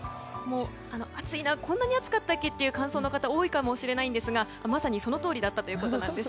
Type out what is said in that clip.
暑いな、こんなに暑かったっけっていう感想の方が多いかもしれないですがまさにそのとおりだったということです。